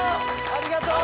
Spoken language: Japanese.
ありがとう！